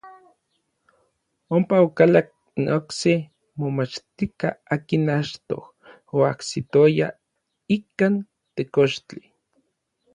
Ompa okalak n okse momachtijka akin achtoj oajsitoya ikkan tekochtli.